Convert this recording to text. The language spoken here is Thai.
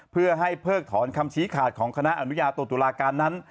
เพื่อให้เพิกถอนคำชี้ขาดของคณะอนุญาโตตุลาการนั้น